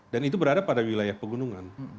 dan itu berada pada wilayah pegunungan